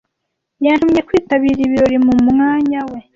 Yantumye kwitabira ibirori mu mwanya we.